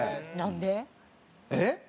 えっ？